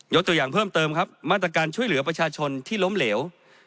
ตัวอย่างเพิ่มเติมครับมาตรการช่วยเหลือประชาชนที่ล้มเหลว